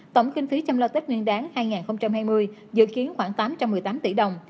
tổng kinh phí chăm lo tết nguyên đáng hai nghìn hai mươi dự kiến khoảng tám trăm một mươi tám tỷ đồng